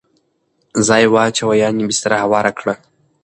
ځای واچوه ..یعنی بستره هواره کړه